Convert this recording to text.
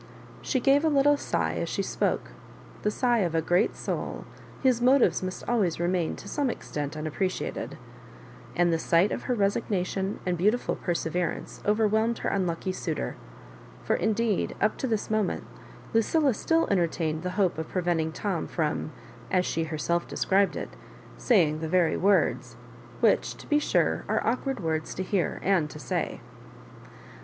She gave a little sigh as she spoke, the sigh of a great soul, whose motives must always remain to some extent unappre ciated ; and the sight of her resignation and beautiful perseverance overwhelmed her unlucky suitor ; for indeed, up to this moment, Lucilla still entertained the hope of preventing Tom from, as she herself described it, " saying the very words," which, to be sure, are awkward words to hear and to say.